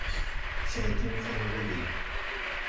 Cẽẽ diŋ fen rege.